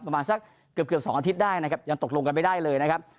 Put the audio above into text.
ประมาณสักเกือบเกือบ๒อาทิตย์ได้นะครับยังตกลงกันไม่ได้เลยนะครับ